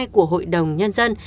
của hội đồng nhân dân